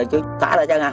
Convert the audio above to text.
chứ thả lại chân à